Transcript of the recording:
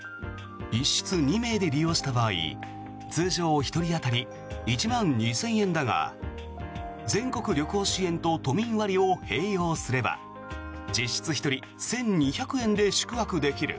１室２名で利用した場合通常１人当たり１万２０００円だが全国旅行支援と都民割を併用すれば実質１人１２００円で宿泊できる。